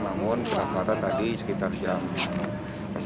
namun kelabatan tadi sekitar jam ya